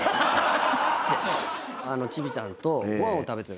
チビちゃんとご飯を食べてた。